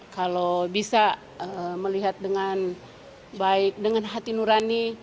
kalau bisa melihat dengan baik dengan hati nurani